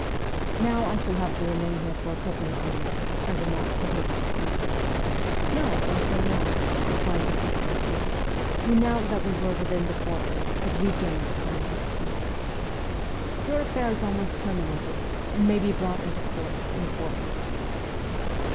' Now I shall have to remain here for a couple of years,' I remarked to the officer. ' No, why so long ?' replied the Circassian who, now that we were within the fortress, had regained the power of speech. 'Your affair is almost ter minated, and may be brought into court in a fort night.'